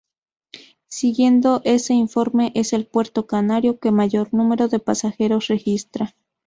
Siguiendo ese informe es el puerto canario que mayor número de pasajeros registra.